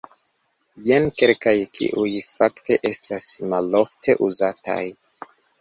Jen kelkaj, kiuj fakte estas malofte uzataj.